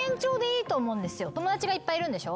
友達がいっぱいいるんでしょ？